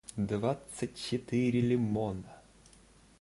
двадцать четыре лимона